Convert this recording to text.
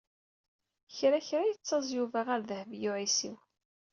Kra kra i yettaẓ Yuba ar Dehbiya u Ɛisiw.